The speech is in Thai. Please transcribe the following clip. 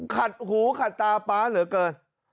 ขัดหูขัดตาป๊าเหลือเกิน